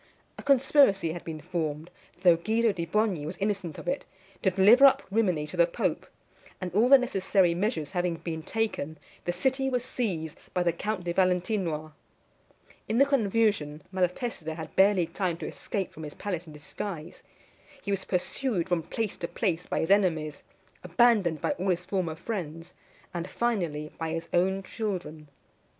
A conspiracy had been formed, though Guido di Bogni was innocent of it, to deliver up Rimini to the pope; and all the necessary measures having been taken, the city was seized by the Count de Valentinois. In the confusion, Malatesta had barely time to escape from his palace in disguise. He was pursued from place to place by his enemies, abandoned by all his former friends, and, finally, by his own children.